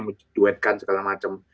mencetakkan segala macem